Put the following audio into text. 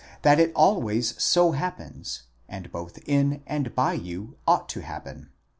that it always so happens, and both in and by you ought to happen.